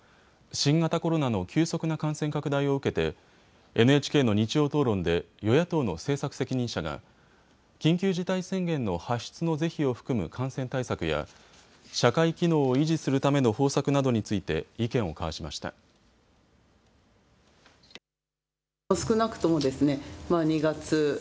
新型コロナの急速な感染拡大を受けてＮＨＫの日曜討論で与野党の政策責任者が緊急事態宣言の発出の是非を含む感染対策や社会機能を維持するための方策などについて意見を交わしました。